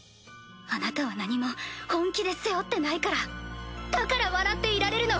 あなたは何も本気で背負ってないからだから笑っていられるの！